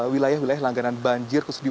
wilayah wilayah langganan banjir